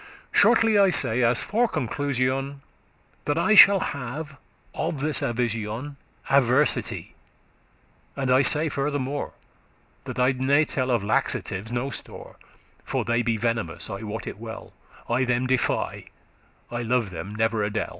Shortly I say, as for conclusion, That I shall have of this avision Adversity; and I say furthermore, That I ne *tell of laxatives no store,* *hold laxatives For they be venomous, I wot it well; of no value* I them defy,* I love them never a del.